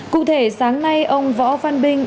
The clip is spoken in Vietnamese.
cụ thể sáng nay ông võ phan binh